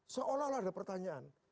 seolah olah ada pertanyaan